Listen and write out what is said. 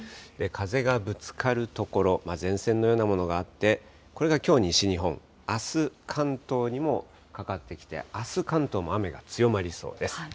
風がぶつかる所、前線のようなものがあって、これがきょう西日本、あす、関東にもかかってきて、あす、関東も雨が強まりそうです。